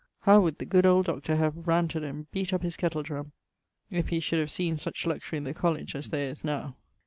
How would the good old Dr. have raunted and beat up his kettle drum, if he should have seen such luxury in the College as there is now!